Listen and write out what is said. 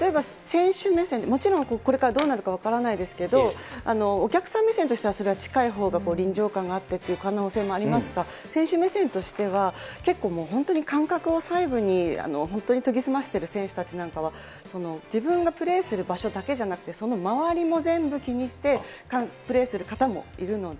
例えば、選手目線で、もちろんこれからどうなるか分からないですけど、お客さん目線としてはそれは近いほうが臨場感があってっていう可能性もありますが、選手目線としては、結構もう、本当に感覚を細部に、本当に研ぎ澄ましている選手たちなんかは、自分がプレーする場所だけじゃなくて、その周りも全部気にして、プレーする方もいるので。